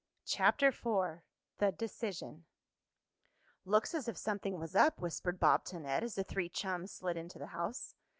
CHAPTER IV THE DECISION "Looks as if something was up," whispered Bob to Ned, as the three chums slid into the house.